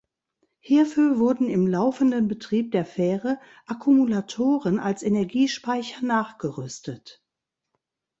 Hierfür wurden im laufenden Betrieb der Fähre Akkumulatoren als Energiespeicher nachgerüstet.